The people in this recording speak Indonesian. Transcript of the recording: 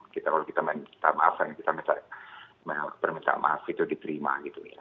kalau kita minta maaf hanya kita minta permintaan maaf itu diterima gitu ya